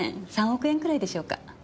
３億円くらいでしょうか。